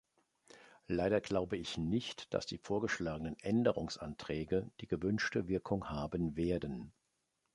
Leider glaube ich nicht, dass die vorgeschlagenen Änderungsanträge die gewünschte Wirkung haben werden.